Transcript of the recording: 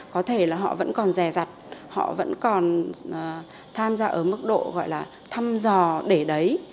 có thể là họ vẫn còn rè rặt họ vẫn còn tham gia ở mức độ gọi là thăm dò để đấy